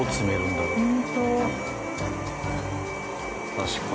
確かに。